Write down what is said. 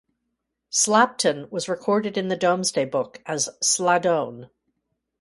Slapton was recorded in the Domesday Book as "Sladone".